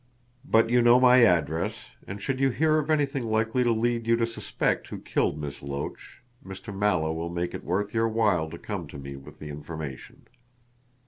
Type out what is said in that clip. But you know my address, and should you hear of anything likely to lead you to suspect who killed Miss Loach, Mr. Mallow will make it worth your while to come to me with the information."